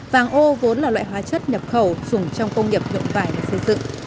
vàng ô vốn là loại hóa chất nhập khẩu dùng trong công nghiệp nhuộm vải để xây dựng